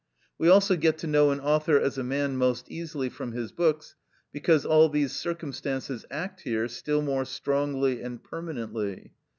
We also get to know an author as a man most easily from his books, because all these circumstances act here still more strongly and permanently.